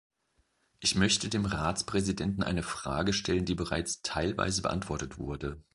Ich möchte dem Ratspräsidenten eine Frage stellen, die bereits teilweise beantwortet wurde.